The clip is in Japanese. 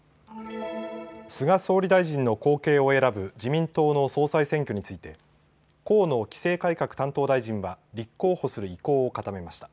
菅総理大臣の後継を選ぶ自民党の総裁選挙について河野規制改革担当大臣は立候補する意向を固めました。